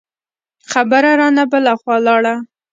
خبره رانه بله خوا لاړه.